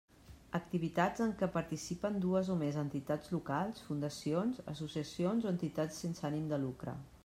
Activitats en què participen dues o més entitats locals, fundacions, associacions o entitats sense ànim de lucre.